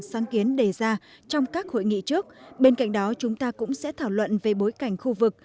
sáng kiến đề ra trong các hội nghị trước bên cạnh đó chúng ta cũng sẽ thảo luận về bối cảnh khu vực